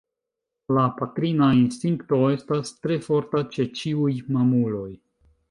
La patrina instinkto estas tre forta ĉe ĉiuj mamuloj.